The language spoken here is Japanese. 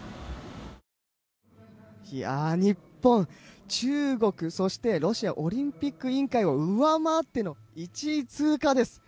日本、中国、そしてロシアオリンピック委員会を上回っての１位通過です。